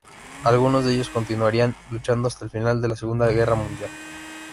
Algunos de ellos continuarían luchando hasta el final de la Segunda Guerra Mundial.